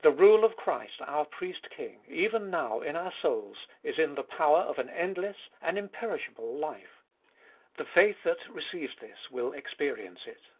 The rule of Christ our Priest King, even now, in our souls, is in the power of an endless, an imperishable life : the faith that receives this will experience it.